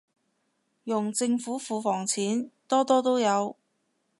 用政府庫房錢，多多都有